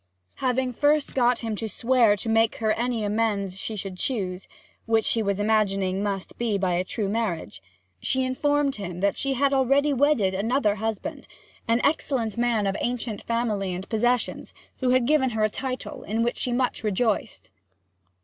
Having first got him to swear to make her any amends she should choose (which he was imagining must be by a true marriage), she informed him that she had already wedded another husband, an excellent man of ancient family and possessions, who had given her a title, in which she much rejoiced.